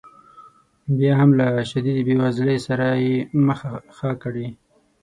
بیا هم له شدیدې بې وزلۍ سره یې مخه ښه کړې.